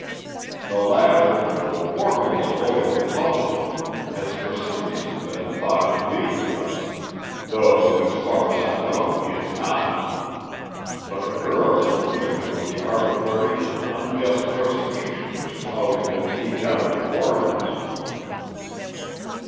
The latter, though formerly a loyal Republican, has for some reason been thought in league with us, though, as far as I know, he is not. But the girl is the victim of the arbitrary and unjust persecution which has always been meted out to foreigners."